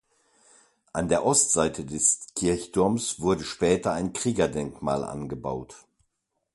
An der Ostseite des Kirchturms wurde später ein Kriegerdenkmal angebaut.